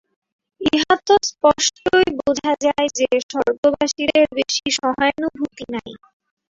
ইহা তো স্পষ্টই বোঝা যায় যে, স্বর্গবাসীদের বেশী সহানুভূতি নাই।